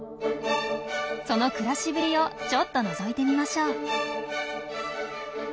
その暮らしぶりをちょっとのぞいてみましょう。